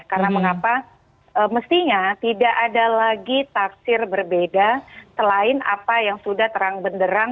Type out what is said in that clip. karena mengapa mestinya tidak ada lagi taksir berbeda selain apa yang sudah terang benderang